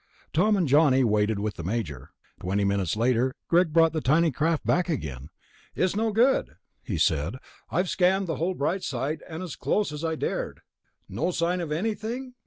Tom and Johnny waited with the Major. Twenty minutes later Greg brought the tiny craft back again. "It's no good," he said. "I've scanned the whole bright side, came as close as I dared." "No sign of anything?"